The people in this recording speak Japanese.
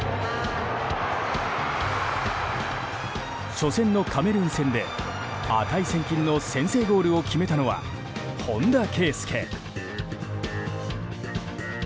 初戦のカメルーン戦で値千金の先制ゴールを決めたのは本田圭佑。